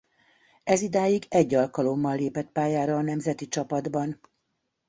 Ezidáig egy alkalommal lépett pályára a nemzeti csapatban.